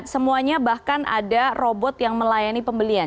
semuanya bahkan ada robot yang melayani pembelian